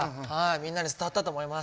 みんなに伝わったと思います。